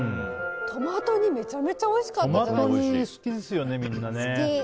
トマト煮めちゃめちゃおいしかった。